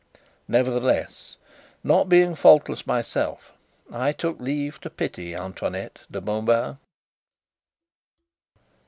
Nevertheless, not being faultless myself, I took leave to pity Antoinette de Mauban.